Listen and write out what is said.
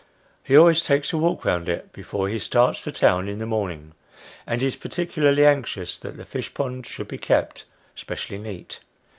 He always takes a walk round it, before he starts for town in the morning, and is particularly anxious that the fish pond should be kept specially neat.